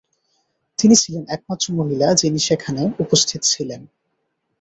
তিনি ছিলেন একমাত্র মহিলা যিনি সেখানে উপস্থিত ছিলেন।